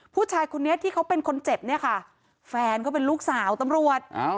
ผู้ชายคนนี้ที่เขาเป็นคนเจ็บเนี่ยค่ะแฟนเขาเป็นลูกสาวตำรวจ